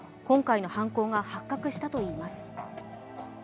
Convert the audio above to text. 今回の犯行が発覚したといいます。